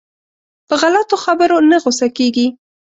په غلطو خبرو نه غوسه کېږي.